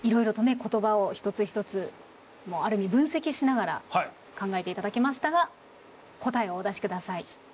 言葉を一つ一つもうある意味分析しながら考えていただきましたが答えをお出しください。